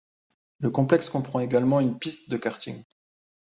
Le complexe comprend également une piste de karting.